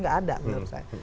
nggak ada menurut saya